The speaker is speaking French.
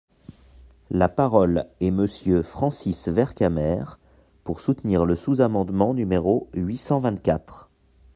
La parole est Monsieur Francis Vercamer, pour soutenir le sous-amendement numéro huit cent vingt-quatre.